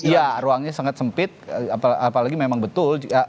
ya ruangnya sangat sempit apalagi memang betul